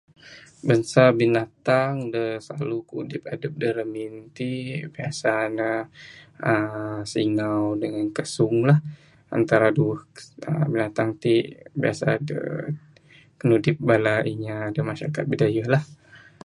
Bansa binatang da silalu kudip adep da ramin ti biasa ne uhh singau dangan kasung la antara duweh binatang ti saja pimudip bala inya da masyarakat bidayuh lah.